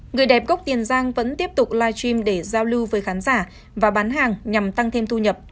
người đẹp gốc tiền giang vẫn tiếp tục live stream để giao lưu với khán giả và bán hàng nhằm tăng thêm thu nhập